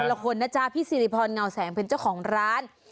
ละคนนะจ๊ะพี่สิริพรเงาแสงเป็นเจ้าของร้าน